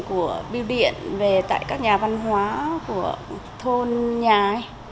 của biêu điện về tại các nhà văn hóa của thôn nhà ấy